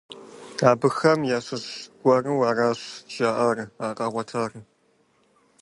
Абыхэм ящыщ гуэру аращ жаӏэр а къагъуэтар.